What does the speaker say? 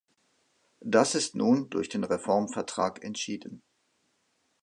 Das ist nun durch den Reformvertrag entschieden.